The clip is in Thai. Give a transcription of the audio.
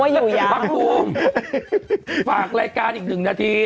ไม่ต้องให้ผมก็ได้พักภูมิฝากรายการอีก๑นาที